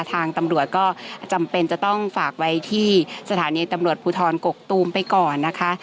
ทางตำรวจก็จำเป็นจะต้องฝากไว้ที่สถานีตำรวจภูทรกกตูมไปก่อนนะคะ